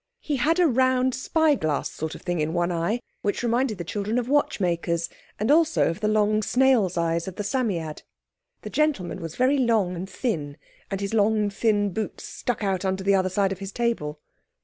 He had a round spy glass sort of thing in one eye—which reminded the children of watchmakers, and also of the long snail's eyes of the Psammead. The gentleman was very long and thin, and his long, thin boots stuck out under the other side of his table.